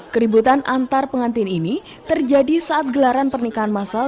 keributan antar pengantin ini terjadi saat gelaran pernikahan masal